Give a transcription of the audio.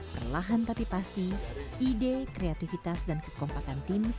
perlahan tapi pasti ide kreatifitas dan kekompakan tim